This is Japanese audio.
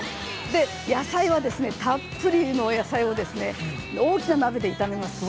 野菜はたっぷりの野菜を大きな鍋で炒めます。